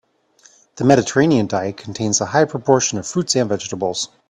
The Mediterranean diet contains a high proportion of fruits and vegetables.